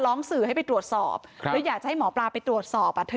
สื่อให้ไปตรวจสอบแล้วอยากจะให้หมอปลาไปตรวจสอบอ่ะเธอ